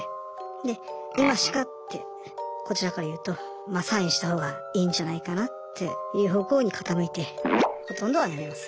で「今しか」ってこちらから言うとサインしたほうがいいんじゃないかなっていう方向に傾いてほとんどは辞めます。